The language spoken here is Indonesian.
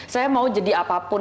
saya mau jadi apapun